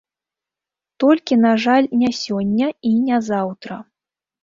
Толькі, на жаль, не сёння і не заўтра.